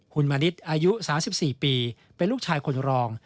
หุ่นมเนธอายุ๓๔ปีเป็นลูกชายคนรอง